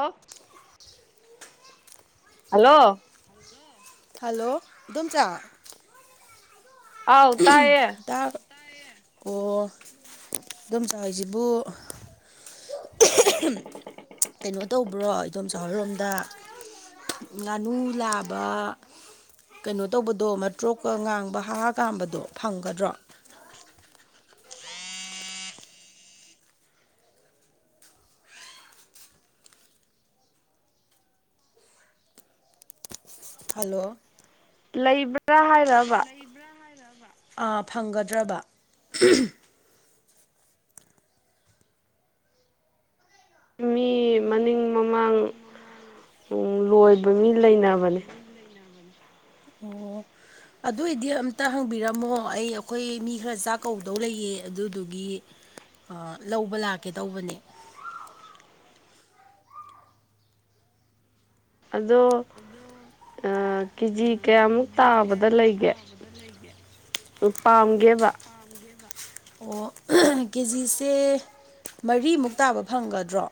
ꯑꯣ hello hello ꯑꯗꯨꯝꯆꯥ ꯑꯥꯎ ꯇꯌꯦꯌꯦ ꯑꯣ ꯈꯨꯝꯆꯥꯥꯏꯁꯤꯕꯨ ꯀꯩꯅꯣ ꯇꯧꯕ꯭ꯔꯣ ꯏꯗꯣꯝ ꯆꯍꯜꯂꯣꯝꯗ ꯉꯥꯅꯨ ꯂꯥꯕ ꯀꯩꯅꯣ ꯇꯧꯕꯗꯣ ꯃꯇ꯭ꯔꯣꯛꯀ ꯉꯥꯡꯕ ꯍꯥꯔ ꯀꯥꯝꯕꯗꯣ ꯐꯪꯒꯗ꯭ꯔꯣ [inaudible] ꯍꯏꯂꯣ ꯂꯩꯕ꯭ꯔ ꯂꯩꯕ꯭ꯔꯥ ꯑꯥ ꯐꯪꯒꯗ꯭ꯔꯕ ꯃꯤ ꯃꯅꯤꯡ ꯃꯃꯥꯡ ꯂꯣꯏꯕ ꯃꯤ ꯂꯩꯅꯕꯅꯤ ꯑꯣ ꯑꯗꯨꯏꯗꯤ ꯑꯝꯇ ꯍꯪꯕꯤꯔꯝꯃꯣ ꯑꯩ ꯑꯩꯈꯣꯏ ꯃꯤ ꯈꯔ ꯆꯥꯛ ꯀꯧꯕꯧꯗꯧ ꯂꯩꯌꯦ ꯑꯗꯨꯗꯨꯒꯤ ꯂꯧꯕ ꯂꯥꯛꯀꯦ ꯇꯧꯕꯅꯦ ꯑꯗꯣ ꯀꯦꯖꯤ ꯀꯌꯥꯃꯨꯛ ꯇꯥꯕꯗ ꯂꯩꯒꯦ ꯄꯥꯝꯒꯦꯕ ꯑꯣ ꯀꯦꯖꯤꯁꯦ ꯃꯔꯤꯃꯨꯛ ꯇꯥꯕ ꯐꯪꯒꯗ꯭ꯔꯣ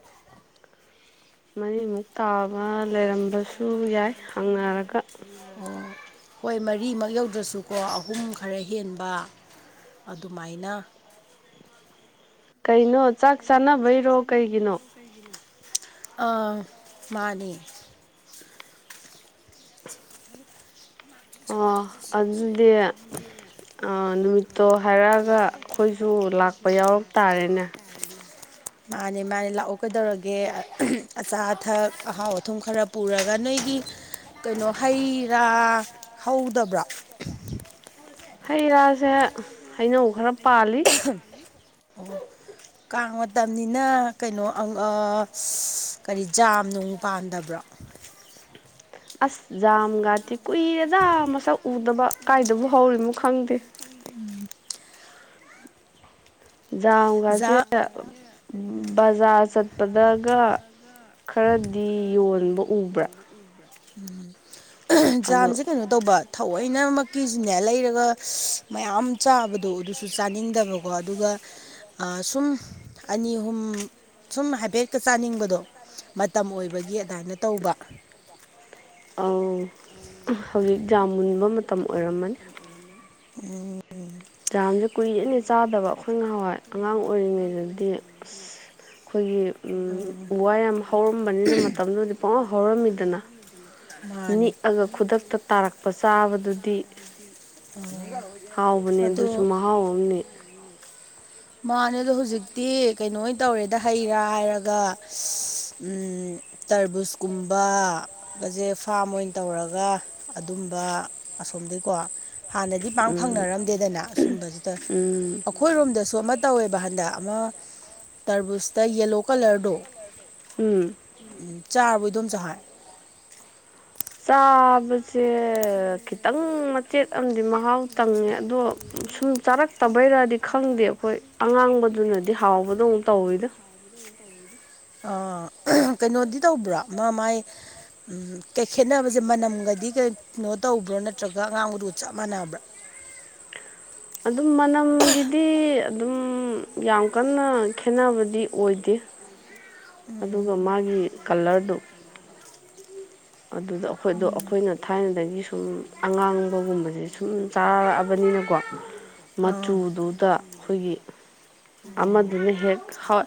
ꯃꯔꯤꯃꯨꯛ ꯇꯥꯕ ꯂꯩꯔꯝꯕꯁꯨ ꯌꯥꯏ ꯍꯪꯅꯔꯒ ꯑꯣ ꯍꯣꯏ ꯃꯔꯤꯃꯛ ꯌꯧꯗ꯭ꯔꯁꯨꯀꯣ ꯑꯍꯨꯝ ꯈꯔ ꯍꯦꯟꯕ ꯑꯗꯨꯃꯥꯏꯅ ꯀꯩꯅꯣ ꯆꯥꯛ ꯆꯥꯅꯕꯩꯔꯣ ꯀꯩꯒꯤꯅꯣ ꯑꯥ ꯃꯥꯅꯤ [inaudible] ꯑꯣ ꯑꯗꯨꯗꯤ ꯅꯨꯃꯤꯠꯇꯣ ꯍꯥꯏꯔꯛꯑꯒ ꯑꯩꯈꯣꯏꯁꯨ ꯂꯥꯛꯄ ꯌꯥꯎꯔ ꯇꯥꯔꯦꯅꯦ ꯃꯥꯅꯦ ꯃꯥꯅꯦ ꯂꯥꯛꯑꯣ ꯀꯩꯗꯧꯔꯒꯦ ꯑꯆꯥ ꯑꯊꯛ ꯑꯍꯥꯎ ꯑꯊꯨꯝ ꯈꯔ ꯄꯨꯔꯒ ꯑꯩꯒꯤ ꯀꯩꯅꯣ ꯍꯩ ꯔꯥ ꯍꯧꯗꯕ꯭ꯔꯥ ꯍꯩ ꯔꯥꯁꯦ ꯍꯩꯅꯧ ꯈꯔ ꯄꯥꯜꯂꯤ ꯑꯣ ꯀꯥꯡ ꯃꯇꯝꯅꯤꯅ ꯀꯩꯅꯣ ꯀꯔꯤ ꯖꯥꯝ ꯅꯨꯡ ꯄꯥꯟꯗꯕ꯭ꯔꯣ [inaudible] ꯑꯁ ꯥꯝ ꯒꯥꯇꯤ ꯀꯨꯏꯔꯦꯗ ꯃꯁꯛ ꯎꯗꯕ ꯀꯥꯏꯗꯕꯨ ꯍꯧꯔꯤꯅꯣ ꯈꯪꯗꯦ ꯖꯝꯒꯁꯦ ꯖꯥꯝ ꯕꯖꯥꯔ ꯆꯠꯄꯗꯒ ꯈꯔꯗꯤ ꯌꯣꯟꯕ ꯎꯕ꯭ꯔꯥ ꯎꯝ ꯑꯗꯣ ꯖꯥꯝꯁꯦ ꯀꯩꯅꯣ ꯇꯧꯕ ꯊ ꯂꯣꯏꯅꯃꯛꯀꯤꯁꯤꯅꯦ ꯂꯩꯔꯒ ꯃꯌꯥꯝ ꯆꯥꯕꯗꯣ ꯑꯗꯨꯁꯨ ꯆꯥꯅꯤꯡꯗꯕꯀꯣ ꯑꯗꯨꯒ ꯁꯨꯝ ꯑꯅꯤ ꯑꯍꯨꯝ ꯁꯨꯝ ꯍꯥꯏꯐꯦꯛꯇ ꯆꯥꯅꯤꯡꯕꯗꯣ ꯃꯇꯝ ꯑꯣꯏꯕꯒꯤ ꯑꯗꯨꯃꯥꯏꯅ ꯇꯧꯕ ꯑꯥꯎ ꯍꯧꯖꯤꯛ ꯌꯥꯝ ꯃꯨꯟꯕ ꯃꯇꯝ ꯑꯣꯏꯔꯝꯃꯅꯤ ꯎꯝ ꯌꯥꯝꯁꯦ ꯀꯨꯏꯔꯦꯅꯦ ꯆꯥꯗꯕ ꯑꯩꯈꯣꯏ ꯉꯍꯥꯟꯋꯥꯏ ꯑꯉꯥꯡ ꯑꯣꯏꯔꯤꯉꯩꯗꯗꯤ ꯑꯁ ꯑꯩꯈꯣꯏꯒꯤ ꯎ ꯋꯥ ꯌꯥꯝ ꯍꯧꯔꯝꯕꯅꯤꯅ ꯃꯇꯝꯗꯨꯗꯤ ꯄꯨꯡꯉ ꯍꯧꯔꯝꯃꯤꯗꯅ ꯅꯤꯛꯑꯒ ꯈꯨꯗꯛꯇ ꯇꯥꯔꯛꯄ ꯆꯥꯕꯗꯨꯗꯤ ꯃꯥꯅꯦꯥꯛꯄꯥꯕꯗꯤ ꯍꯥꯎꯕꯅꯦ ꯑꯗꯣ ꯑꯗꯨꯁꯨ ꯃꯍꯥꯎ ꯑꯃꯅꯤ ꯃꯥꯅꯦ ꯑꯗꯣ ꯍꯧꯖꯤꯛꯇꯤ ꯀꯩꯅꯣ ꯇꯧꯔꯦꯗ ꯍꯩꯔꯥ ꯍꯥꯏꯔꯒ ꯎꯝ ꯇꯔꯕꯨꯁꯀꯨꯝꯕ ꯒꯁꯦ ꯐꯥꯝ ꯑꯣꯏꯅ ꯇꯧꯔꯒ ꯑꯗꯨꯝꯕ ꯁꯣꯝꯗꯩꯀꯣ ꯍꯥꯟꯅꯗꯤ ꯄꯥꯡ ꯎꯝ ꯐꯪꯅꯔꯝꯗꯦꯗꯅ ꯑꯁꯨꯝꯕꯁꯤꯗ ꯎꯝ ꯑꯩꯈꯣꯏꯔꯣꯝꯗꯁꯨ ꯑꯃ ꯇꯧꯋꯦꯕ ꯍꯟꯗꯛ ꯑꯃ ꯇꯔꯕꯨꯁ ꯗ ꯌꯦꯂꯣ ꯀꯂꯔꯗꯣ ꯎꯝ ꯆꯥꯔꯕꯩꯗꯣꯝ ꯆ ꯍꯥꯏꯥꯏ ꯆꯥꯕꯁꯦ ꯈꯤꯇꯪ ꯃꯆꯦꯠ ꯑꯃꯗꯤ ꯃꯍꯥꯎ ꯇꯪꯉꯦ ꯑꯗꯣ ꯁꯨꯝ ꯆꯥꯔꯛꯇꯕꯩꯔꯗꯤ ꯈꯪꯗꯦ ꯑꯩꯈꯣꯏ ꯑꯉꯥꯡꯕꯗ ꯑ ꯀꯩꯅꯣꯗꯤ ꯇꯧꯕ꯭ꯔꯥ ꯃꯥ ꯃꯥꯏ ꯎꯝ ꯀꯩ ꯈꯦꯠꯅꯕꯁꯦ ꯃꯅꯝꯒꯗꯤ ꯀꯩ ꯀꯩꯅꯣ ꯇꯧꯕ꯭ꯔꯣ ꯅꯠꯇ꯭ꯔꯒ ꯑꯉꯥꯡꯒꯗꯨ ꯆꯞ ꯃꯥꯟꯅꯕ꯭ꯔꯥ [unintelligible] ꯑꯗꯨꯝ ꯃꯅꯝꯒꯤꯗꯤ ꯑꯗꯨꯝ ꯌꯥꯝ ꯀꯟꯅ ꯈꯦꯠꯅꯕꯗꯤ ꯑꯣꯏꯗꯦ ꯑꯗꯨꯒ ꯎꯝ ꯃꯥꯒꯤ ꯀꯂꯔꯗꯨꯣ ꯑꯗꯨꯗ ꯑꯩꯈꯣꯏꯗꯣ ꯎꯝ ꯑꯩꯈꯣꯏꯅ ꯊꯥꯏꯅꯗꯒꯤ ꯁꯨꯝ ꯑꯉꯥꯡꯕꯒꯨꯝꯕꯁꯦ ꯁꯨꯝ ꯆꯥꯔꯛꯑꯕꯅꯤꯅ ꯀꯣ ꯑꯥ ꯃꯆꯨꯗꯨꯗ ꯑꯩꯈꯣꯏꯒꯤ ꯑꯃꯗꯨꯅ ꯍꯦꯛ ꯍꯥꯎ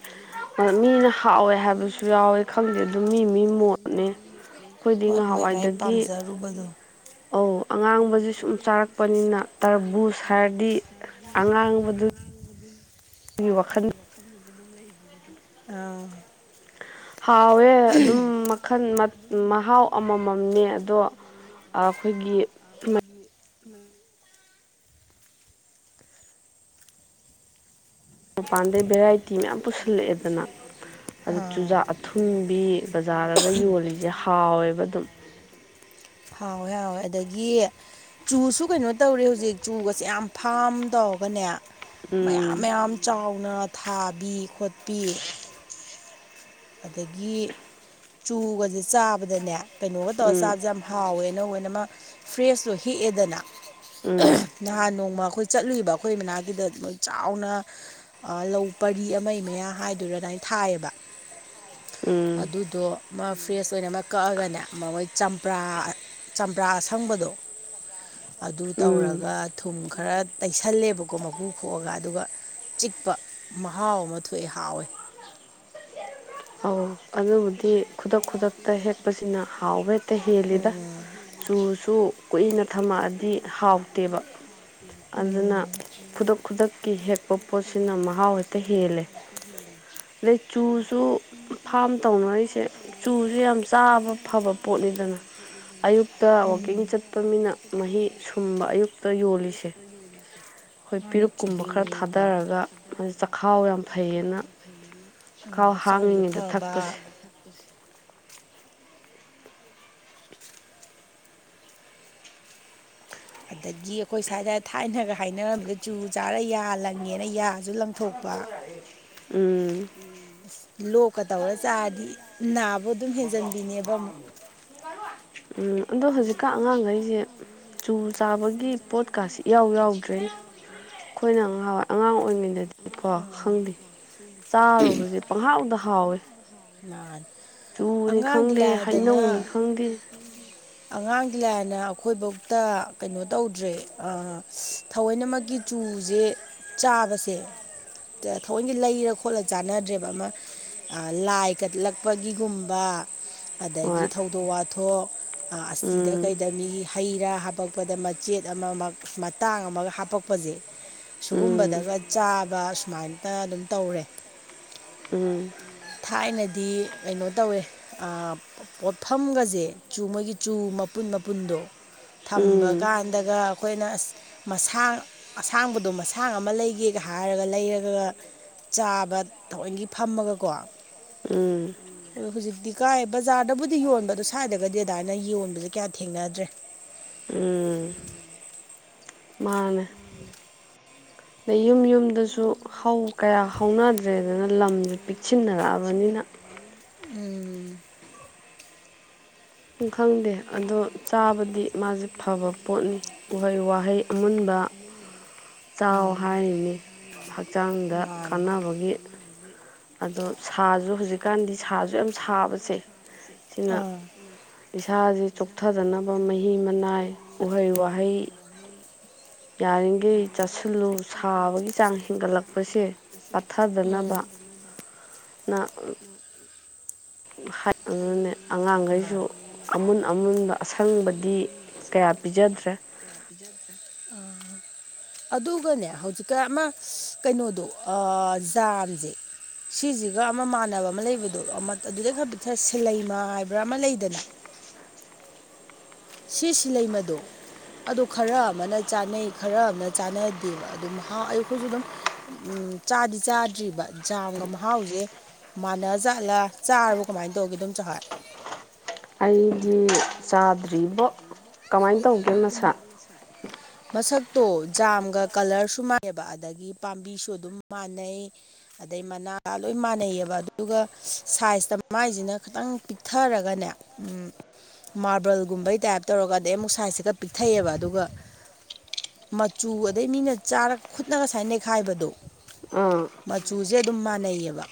ꯃꯤꯅ ꯍꯥꯎꯋꯦ ꯍꯥꯏꯕꯁꯨ ꯌꯥꯎꯋꯦ ꯈꯪꯗꯦ ꯑꯗꯨꯝ ꯃꯤ ꯃꯤ ꯃꯠꯅꯦ ꯍꯣꯏ ꯃꯥꯏ ꯃꯥꯏ ꯄꯥꯝꯖꯔꯨꯕꯗꯣ ꯑꯉꯥꯡꯕꯁꯤ ꯁꯨꯝ ꯆꯥꯔꯛꯄꯅꯤꯅ ꯇꯔꯕꯨꯁ ꯍꯥꯏꯔꯗꯤ ꯑꯉꯥꯡꯕꯗꯨ ꯋꯥꯈꯜꯗꯨꯁꯨ ꯑꯗꯨꯝ ꯂꯩ ꯑꯥ ꯍꯥꯎꯋꯦ ꯑꯗꯨꯝ ꯃꯈꯜ ꯃꯍꯥꯎ ꯑꯃꯃꯝꯅꯦ ꯑꯗꯣ ꯑꯩꯈꯣꯏꯒꯤ ꯐꯅ [unintelligible] ꯃꯄꯥꯟꯗꯩ ꯚꯦꯔꯥꯏꯇꯤ ꯃꯌꯥꯝ ꯄꯨꯁꯤꯜꯂꯛꯑꯦꯗꯅ ꯑꯗꯨ ꯑꯥ ꯆꯨꯖꯥꯛ ꯑꯊꯨꯝꯕꯤ ꯕꯖꯥꯔꯒ ꯌꯣꯜꯂꯤꯁꯦ ꯍꯥꯎꯋꯦꯕ ꯑꯗꯨꯝ ꯍꯥꯎ ꯑꯗꯒꯤ ꯆꯨꯁꯨ ꯀꯩꯅꯣ ꯇꯧꯔꯦ ꯍꯧꯖꯤꯛ ꯆꯨꯒꯁꯦ ꯌꯥꯝ ꯐꯥꯝ ꯇꯧꯒꯅꯦ ꯃꯌꯥꯝ ꯎꯝ ꯃꯌꯥꯝ ꯅ ꯊꯥꯕꯤ ꯈꯣꯠꯄꯤ ꯑꯗꯒꯤ ꯆꯨꯒꯁꯦ ꯆꯥꯕꯗꯅꯦ ꯀꯩꯅꯣꯒ ꯇꯧꯔꯒ ꯎꯝ ꯆꯥꯕꯁꯦ ꯌꯥꯝ ꯍꯥꯎꯋꯦꯅꯅ ꯃꯥ ꯐ꯭ꯔꯦꯁꯇꯣ ꯍꯤꯛꯑꯦꯗꯅ ꯎꯝ ꯅꯍꯥꯟ ꯅꯣꯡꯃ ꯑꯩꯈꯣꯏ ꯆꯠꯂꯨꯏꯕ ꯑꯩꯈꯣꯏ ꯏ ꯃꯅꯥꯛꯒꯤꯗ ꯃꯣꯏ ꯆꯥꯎꯅ ꯂꯧ ꯄꯔꯤ ꯑꯃꯒꯤ ꯃꯌꯥ ꯍꯥꯏꯗꯨꯔ ꯑꯗꯨꯃꯥꯏꯅ ꯊ ꯍꯥꯏꯕ ꯎꯝ ꯑꯗꯨꯗꯣ ꯃꯥ ꯐ꯭ꯔꯦꯁ ꯑꯣꯏꯅ ꯑꯃ ꯀꯛꯑꯒꯅꯦ ꯃꯣꯏ ꯄ ꯆꯝꯄ꯭ꯔꯥ ꯑꯁꯪꯕꯗꯣ ꯑꯗꯨ ꯎꯝ ꯇꯧꯔꯒ ꯊꯨꯝ ꯈꯔ ꯇꯩꯁꯜꯂꯦꯕꯀꯣ ꯃꯀꯨ ꯈꯣꯛꯑꯒ ꯑꯗꯨꯒ ꯆꯤꯛꯄ ꯃꯍꯥꯎ ꯑꯃ ꯊꯣꯛꯑꯦ ꯍꯥꯎꯋꯦ ꯑꯧ ꯑꯗꯨꯕꯨꯗꯤ ꯈꯨꯗꯛ ꯈꯨꯗꯛꯇ ꯍꯦꯛꯄꯁꯤꯅ ꯍꯥꯎꯋꯦ ꯑꯗꯨꯅ ꯍꯜꯂꯤꯕꯅꯁꯨ ꯀꯨꯏꯅ ꯊꯝꯃꯛꯑꯗꯤ ꯀꯨꯏꯅ ꯍꯥꯎꯇꯦꯕ ꯊꯝꯃꯛꯑꯗꯤ ꯑꯗꯨꯅ ꯎꯝ ꯈꯨꯗꯛ ꯈꯨꯗꯛꯀꯤ ꯍꯦꯛꯄ ꯄꯣꯠꯁꯤꯅ ꯃꯍꯥꯎ ꯍꯦꯛꯇ ꯍꯦꯜꯂꯦ ꯑꯗꯩ ꯆꯨ ꯆꯨ ꯐꯥꯝ ꯇꯧꯅꯔꯤꯁꯦ ꯆꯨꯁꯦ ꯌꯥꯝ ꯆꯥꯕ ꯐꯕ ꯄꯣꯠꯅꯤꯗꯅ ꯑꯌꯨꯛꯇ ꯋꯥꯋꯀꯤꯡ ꯆꯠꯄ ꯃꯤꯅ ꯃꯍꯤ ꯁꯨꯝꯕ ꯑꯌꯨꯛꯇ ꯌꯣꯜꯂꯤꯁꯦ ꯎꯝ ꯑꯩꯈꯣꯏ ꯃꯥꯅ ꯄꯤꯔꯨꯛꯀꯨꯝꯕ ꯈꯔ ꯆꯉꯨꯀꯣ ꯊꯥꯗꯔꯒ ꯆꯥꯛꯈꯥꯎ ꯌꯥꯝ ꯐꯩꯌꯦꯅ ꯆꯥꯛꯈꯥꯎ ꯍꯛꯆꯥꯡꯁꯨ ꯍꯥꯡꯉꯤꯉꯩꯗ ꯐꯕ ꯊꯛꯄꯁꯦ ꯑꯗꯒꯤ ꯑꯩꯈꯣꯏ ꯁ꯭ꯋꯥꯏꯗ ꯊꯥꯏꯅꯒ ꯍꯥꯏꯅꯔꯝꯃꯤꯗ ꯆꯨ ꯆꯥꯔ ꯌꯥ ꯂꯪꯉꯦꯅ ꯌꯥꯁꯨ ꯂꯪꯊꯣꯛꯄ ꯎ ꯎꯝ ꯂꯣꯛꯀ ꯇꯧꯔ ꯆꯥꯔꯗꯤ ꯅꯥꯕꯨ ꯑꯗꯨꯝ ꯍꯦꯟꯖꯟꯕꯤꯅꯦꯕ ꯑꯃꯨꯛ ꯎꯝ ꯑꯗꯣ ꯍꯧꯖꯤꯛꯀ ꯑꯉꯥꯡꯈꯩꯁꯦ ꯆꯨ ꯆꯥꯕꯒꯤ ꯄꯣꯠꯀꯥꯁ ꯏꯌꯥꯎ ꯌꯥꯎꯗ꯭ꯔꯦ ꯑꯩꯈꯣꯏꯅ ꯉꯍꯥꯎꯋꯥꯏ ꯑꯉꯥꯡ ꯑꯣꯏꯔꯤꯉꯩꯗꯗꯤꯀꯣ ꯈꯪꯗꯦ ꯆꯥꯔꯨꯕꯁꯦ ꯄꯪꯍꯥꯎꯗ ꯍꯥꯎꯋꯤ ꯃꯥꯅꯦ ꯇꯨꯅꯤ ꯑꯉꯥꯡꯒꯤ ꯈꯪꯗꯦ ꯂꯥꯏꯗꯅ ꯍꯩꯅꯧꯅꯤ ꯈꯪꯗꯦ ꯑꯉꯥꯡꯗꯤꯂꯥꯏꯅ ꯑꯩꯈꯣꯏꯐꯧꯇ ꯀꯩꯅꯣ ꯇꯧꯗ꯭ꯔꯦ ꯊꯑꯣꯏꯅꯃꯛꯀꯤ ꯆꯨꯖꯦ ꯆꯥꯕꯁꯦ ꯊꯑꯣꯟꯗꯤ ꯂꯩꯔ ꯈꯣꯠꯂ ꯆꯥꯟꯅꯗ꯭ꯔꯦꯕ ꯑꯃ ꯂꯥꯏ ꯀꯠꯂꯛꯄꯒꯤꯒꯨꯝꯕ ꯑꯗꯒꯤ ꯍꯣꯏ ꯊꯧꯗꯣꯛ ꯋꯥꯊꯣꯛ ꯑꯁꯤꯗ ꯎꯝ ꯀꯩꯗ ꯃꯤ ꯍꯩꯔꯥ ꯍꯥꯄꯛꯄꯗ ꯃꯆꯦꯠ ꯑꯃ ꯃꯇꯥꯡ ꯑꯃꯒ ꯍꯥꯄꯛꯄꯁꯦ ꯎꯝ ꯁꯤꯨꯒꯨꯝꯕꯗꯒ ꯆꯥꯕ ꯁꯨꯃꯥꯏꯇ ꯑꯗꯨꯝ ꯇꯧꯔꯦ ꯎꯝ ꯊꯥꯏꯅꯗꯤ ꯀꯩꯅꯣ ꯇꯧꯋꯦ ꯄꯣꯠꯐꯝꯒꯁꯦ ꯆꯨ ꯃꯣꯏꯒꯤ ꯆꯨ ꯑꯄꯨꯟ ꯑꯄꯨꯟꯗ ꯊꯝꯕ ꯎꯝ ꯀꯥꯟꯗꯒ ꯑꯩꯈꯣꯏꯅ ꯑꯁ ꯃꯁꯥꯡ ꯑꯁꯥꯡꯕꯗꯣ ꯃꯁꯥꯡ ꯑꯃ ꯂꯩꯒꯦꯒ ꯍꯥꯏ ꯍꯥꯏꯔꯒ ꯂꯩꯔꯒꯒ ꯆꯥꯕ ꯊꯑꯣꯏꯒꯤ ꯐꯝꯃꯒꯀꯣ ꯑꯣ ꯎꯝ ꯍꯧꯖꯤꯛꯇꯤ ꯀꯥꯏꯦ ꯕꯖꯥꯔꯗꯕꯨꯗꯤ ꯌꯣꯟꯕ ꯑꯗꯣ ꯁꯥꯏꯏꯔꯒꯗꯤ ꯑꯗꯥꯏꯅ ꯌꯣꯟꯕꯁꯦ ꯀꯌꯥ ꯊꯦꯡꯅꯔꯦ [unintelligible] ꯃꯥꯅ ꯑꯗꯩ ꯌꯨꯝ ꯌꯨꯝꯗꯁꯨ ꯑꯗꯨꯁꯨ ꯍꯧ ꯀꯌꯥ ꯍꯥꯎꯕ ꯀꯌꯥ ꯍꯧꯅꯗ꯭ꯔꯦꯗꯅ ꯂꯝꯁꯦ ꯍꯧꯥꯎꯅꯗ꯭ꯔꯦꯗꯅ ꯂꯝ ꯄꯤꯛꯁꯤꯟꯅꯔꯛꯑꯕꯅꯤꯅ ꯆꯤꯦꯛꯁꯤꯟꯅꯔꯛꯑꯕꯅꯤꯅ ꯎꯝ ꯈꯪꯗꯦ ꯑꯗꯣ ꯆꯥꯕꯗꯤ ꯃꯥꯁꯦ ꯐꯕ ꯄꯣꯠꯅꯤ ꯎꯍꯩ ꯋꯥꯍꯩ ꯑꯃꯨꯟꯕ ꯃꯟꯕ ꯆꯥꯎ ꯎꯝ ꯆꯥꯎ ꯍꯥꯏꯔꯤꯅꯤ ꯍꯛꯆꯥꯡꯗ ꯃꯥ ꯀꯥꯟꯅꯕꯒꯤ ꯑꯗꯣ ꯑꯗꯨ ꯁꯥꯁꯨ ꯁꯥꯁ ꯍꯧꯖꯤꯛꯀꯥꯟꯗꯤ ꯁꯥꯁꯨ ꯍꯧꯖꯤꯛꯀꯥꯟꯒꯤ ꯌꯥꯝ ꯁꯥꯁꯨ ꯌꯥꯝ ꯁꯥꯕꯁꯦ ꯁꯥꯕꯁꯦ ꯁꯤꯅ ꯏꯁꯥꯁꯦ ꯆꯣꯛꯊꯗꯅꯕ ꯃꯍꯤ ꯃꯅꯥꯏ ꯎꯍꯩ ꯋꯥꯍꯩ ꯌꯥꯔꯤꯈꯩ ꯌꯥꯔꯤꯦ ꯆꯥꯁꯤꯜꯂꯨ ꯆꯥꯁꯨꯒꯤ ꯁꯥꯕꯒꯤ ꯆꯥꯡ ꯊꯥꯕꯒꯤ ꯆꯥꯡ ꯍꯦꯟꯒꯠꯂꯛꯄꯁꯦ ꯍꯟꯒꯠꯂꯛꯄꯁꯦ ꯄꯠꯊꯗꯅꯕꯅ ꯐꯗꯅꯕ ꯎꯝ ꯑꯗꯨꯅꯦ ꯑꯉꯥꯡꯈꯩꯁꯨ ꯃꯥꯅꯤ ꯑꯃꯨꯟ ꯑꯃꯨꯟꯕ ꯑꯁꯪꯕꯗꯤ ꯀꯌꯥ ꯄꯤ ꯖꯗ꯭ꯔ [unintelligible] ꯑꯗꯨꯒꯅꯦ ꯍꯧꯖꯤꯛꯀ ꯑꯃ ꯀꯩꯅꯣꯗꯣ ꯖꯥꯝꯁꯦ ꯁꯤꯁꯤꯒ ꯑꯃ ꯃꯥꯟꯅꯕ ꯑꯃ ꯂꯩꯕꯗꯣ ꯑꯃ ꯑꯗꯨꯗꯩ ꯈ ꯁꯤꯂꯩꯃꯥ ꯍꯥꯏꯕ꯭ꯔꯥ ꯑꯃ ꯂꯩꯗꯅ ꯁꯤ ꯁꯤ ꯂꯩꯃꯗꯣ ꯑꯗꯨ ꯈꯔ ꯑꯃꯅ ꯆꯥꯅꯩ ꯈꯔ ꯑꯃꯅ ꯆꯥꯟꯅꯗꯦꯕ ꯑꯗꯨꯝ ꯍꯥꯎ ꯑꯩ ꯑꯩꯈꯣꯏꯁꯨ ꯑꯗꯨꯝ ꯎꯝ ꯆꯥꯗꯤ ꯆꯥꯗ꯭ꯔꯤꯕ ꯖꯥꯝꯒ ꯃꯍꯥꯎꯁꯦ ꯃꯥꯟꯅꯔ ꯆꯥꯠꯂꯥ ꯆꯥꯔꯕ ꯀꯃꯥꯏꯅ ꯇꯧꯒꯦ ꯑꯗꯨꯝ ꯆꯍꯠ ꯑꯩꯗꯤ ꯆꯥꯗ꯭ꯔꯤꯕꯣ ꯀꯃꯥꯏꯅ ꯇꯧꯒꯦ ꯃꯁꯥ [unintelligible] ꯃꯁꯛꯇꯣ ꯖꯥꯝꯒ ꯀꯂꯔꯁꯨ ꯃꯥꯟꯅꯩꯕ ꯑꯗꯒꯤ ꯄꯥꯝꯕꯤꯁꯨ ꯑꯗꯨꯝ ꯃꯥꯟꯅꯩ ꯑꯗꯩ ꯃꯅꯥ ꯂꯣꯏ ꯃꯥꯟꯅꯩꯌꯦꯕ ꯑꯗꯨꯗꯨꯒ ꯁꯥꯏꯖꯇ ꯃꯥꯏꯁꯤꯅ ꯈꯤꯇꯪ ꯄꯤꯛꯊꯔꯒꯅꯦ ꯃꯥꯔꯕꯜꯒꯨꯝꯕꯩ ꯇꯥꯏꯞ ꯇꯧꯔꯒ ꯑꯗꯩ ꯑꯃꯨꯛ ꯁꯥꯏꯖꯁꯤꯒ ꯄꯤꯛꯊꯩꯑꯕ ꯑꯗꯨꯒ ꯃꯆꯨ ꯑꯗꯩ ꯃꯤꯅ ꯆꯥꯔꯒ ꯈꯨꯠꯅꯒ ꯁꯨꯃꯥꯏ ꯅꯩꯈꯥꯏꯕꯗꯣ ꯑꯥ ꯃꯆꯨꯁꯦ ꯑꯗꯨꯝ ꯃꯥꯟꯅꯩꯌꯦꯕ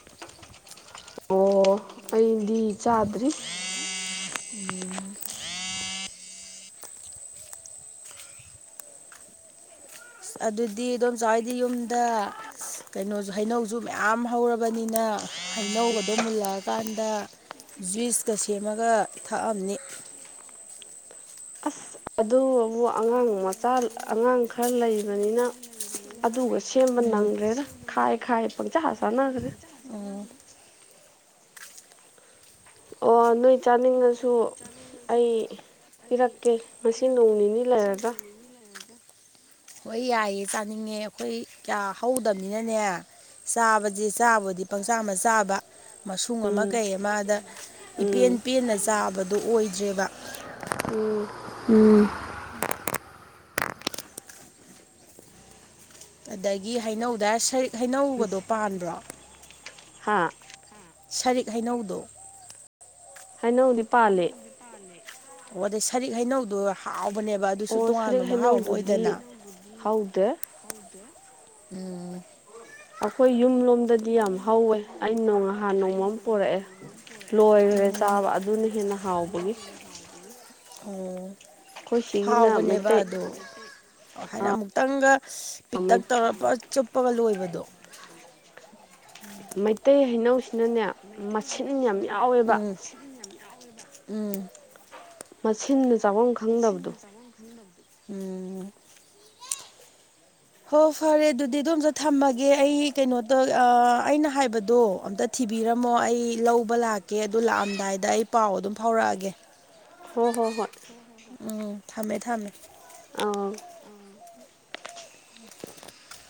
ꯐ ꯆꯥꯗꯔꯤ [unintelligible] ꯑꯗꯨꯗꯤ ꯑꯗꯨꯣꯝ ꯆꯥꯎꯋꯥꯏꯗꯤ ꯌꯨꯝꯗ ꯀꯩꯅꯣꯁꯨ ꯍꯩꯅꯧꯁꯨ ꯃꯌꯥꯝ ꯍꯧꯔꯕꯅꯤꯅ ꯍꯩꯅꯧꯕꯗꯣ ꯃꯨꯜꯂꯛꯑꯀꯥꯟꯗ ꯖꯨꯏꯤꯁꯀ ꯁꯦꯝꯃꯒ ꯊꯥꯛꯑꯝꯅꯤ ꯑꯁ ꯑꯗꯨꯕꯨ ꯑꯉꯥꯡ ꯃꯆꯥ ꯑꯉꯥꯡ ꯈꯔ ꯂꯩꯕꯅꯤꯅ ꯑꯗꯨꯒꯁꯨ ꯁꯦꯝꯕ ꯅꯪ꯭ꯔꯦꯗ ꯈꯥꯏ ꯈꯥꯏ ꯄꯪꯖ ꯍꯥ ꯎꯝ ꯑꯣ ꯅꯣꯏ ꯆꯥꯅꯤꯡꯉꯁꯨ ꯁꯨ ꯑꯩ ꯄꯤꯔꯛꯀꯦ ꯉ ꯅꯣꯡ ꯅꯤꯅꯤ ꯂꯩꯔꯒ ꯍꯣꯏ ꯌꯥꯏꯌꯦ ꯆꯥꯅꯤꯡꯉꯦ ꯑꯩꯈꯣꯏ ꯀꯌꯥ ꯍꯧꯗꯕꯅꯤꯅꯅꯦ ꯆꯥꯕꯁꯦ ꯆꯥꯕꯨꯗꯤ ꯄꯪꯁꯥ ꯑꯃ ꯆꯥꯕ ꯃꯨꯡ ꯑꯃ ꯎꯝ ꯀꯩ ꯑꯃꯗ ꯏꯄꯦꯟ ꯎꯝ ꯄꯦꯟꯅ ꯆꯥꯕꯗꯨꯣ ꯑꯣꯏꯗ꯭ꯔꯦꯕ ꯎꯝ ꯎꯝ ꯑꯗꯒꯤ ꯍꯩꯅꯧꯗ ꯁꯔꯤꯛ ꯍꯩꯅꯧꯒꯗꯣ ꯄꯥꯟꯕ꯭ꯔꯣ ꯍꯥꯥ ꯁꯔꯤꯛ ꯍꯩꯅꯧꯗꯨꯣ ꯍꯥꯏꯅꯧꯗꯤ ꯄꯥꯜꯂꯦ ꯑꯣ ꯑꯗꯩ ꯁꯔꯤꯛ ꯍꯩꯅꯧꯗꯣ ꯍꯥꯎꯕꯅꯦꯕ ꯑꯗꯨꯁꯨ ꯑꯣ ꯇꯣꯉꯥꯟꯕ ꯁꯔꯤꯛ ꯃꯍꯥꯎ ꯑꯃ ꯑꯣꯏꯗꯅ ꯍꯩꯅꯧꯗꯨꯗꯤ ꯍꯧꯗꯦ ꯎꯝ ꯑꯩꯈꯣꯏ ꯌꯨꯝ ꯂꯣꯝꯗꯗꯤ ꯌꯥꯝ ꯍꯧꯋꯦ ꯑ ꯅꯣꯡ ꯅꯍꯥꯟ ꯅꯣꯡꯃꯝ ꯄꯣꯔꯛꯑꯦ ꯂꯣꯏꯈ꯭ꯔꯦ ꯆꯥꯕ ꯑꯗꯨꯅ ꯍꯦꯟꯅ ꯍꯥꯎꯕꯒꯤ ꯑꯣ ꯑꯩꯈꯣꯏ ꯁꯤꯒꯤꯅ ꯍꯥꯎꯕꯅꯦꯕ ꯃꯩꯇꯩ ꯑꯣ ꯍꯥꯏꯅ ꯑꯥ ꯑꯃꯨꯛꯇꯪꯒ ꯃꯩ ꯄꯤꯛꯇꯛ ꯇꯧꯔꯄ ꯄꯒ ꯂꯣꯏꯕꯗꯣ ꯃꯩꯇꯩ ꯍꯩꯅꯧꯁꯤꯅꯅꯦ ꯃꯁꯤꯡꯟ ꯌꯥꯝ ꯌꯥꯎꯋꯦꯕ ꯎꯝ ꯎꯝ ꯃꯁꯤꯆꯤꯟ ꯃꯤꯟ ꯃ ꯆꯥꯐꯝꯝ ꯈꯪꯗꯕꯗꯤ ꯎꯝ ꯍꯣ ꯐꯔꯦ ꯑꯗꯨꯗꯤ ꯑꯗꯣ ꯑꯝꯇ ꯊꯝꯃꯒꯦ ꯑꯩ ꯀꯩꯅꯣꯗꯧ ꯑꯩꯅ ꯍꯥꯏꯕꯗꯣ ꯑꯝꯇ ꯊꯤ ꯇꯕꯤꯔꯝꯃꯣ ꯑꯩ ꯂꯧꯕ ꯂꯥꯛꯀꯦ ꯑꯗꯨ ꯂꯥꯛꯑꯝꯗꯥꯏꯗ ꯑꯩ ꯄꯥꯎ ꯑꯗꯨꯝ ꯐꯥꯎꯔꯛꯑꯒꯦ ꯍꯣꯏ ꯍꯣꯏ ꯍꯣꯏ ꯎꯝ ꯊꯝꯃꯦ ꯊꯝꯃꯦ ꯑꯥ ꯎ